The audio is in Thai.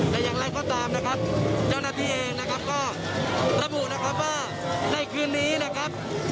แต่อย่างไรก็ตามนะครับเจ้าหน้าที่เองนะครับก็ระบุนะครับว่าในคืนนี้นะครับ